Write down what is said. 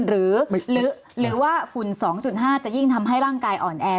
หรือว่าฝุ่น๒๕จะยิ่งทำให้ร่างกายอ่อนแอ